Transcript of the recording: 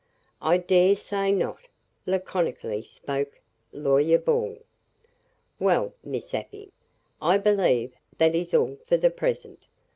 "I dare say not," laconically spoke Lawyer Ball. "Well, Miss Afy, I believe that is all for the present.